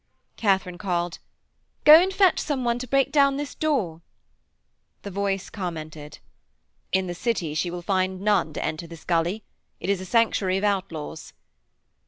Katharine called: 'Go and fetch some one to break down this door.' The voice commented: 'In the City she will find none to enter this gully; it is a sanctuary of outlaws.'